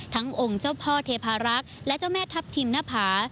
องค์เจ้าพ่อเทพารักษ์และเจ้าแม่ทัพทิมนภา